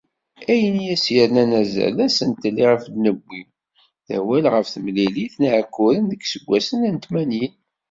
Ayen i as-yernan azal d asentel iɣef d-newwi, d awal ɣef temlilit n Yiɛekkuren deg yiseggasen n tmanyin.